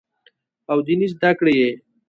او ديني زدکړې ئې